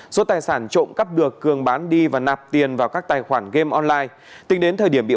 số tài sản trộm cắp được cường bán đi và nạp tiền vào các tài khoản game online